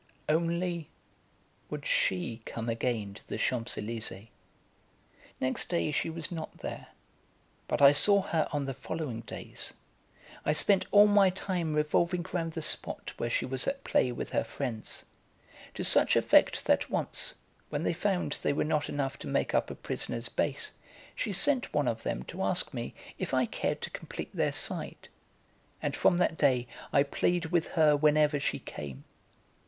Only, would she come again to the Champs Elysées? Next day she was not there; but I saw her on the following days; I spent all my time revolving round the spot where she was at play with her friends, to such effect that once, when, they found, they were not enough to make up a prisoner's base, she sent one of them to ask me if I cared to complete their side, and from that day I played with her whenever she came.